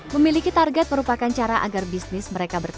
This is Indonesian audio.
memiliki target merupakan cara agar bisnis mereka berkembang